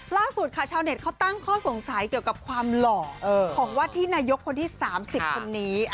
ล่าสุดค่ะชาวเน็ตเขาตั้งข้อสงสัยเกี่ยวกับความหล่อของวัดที่นายกคนที่๓๐คนนี้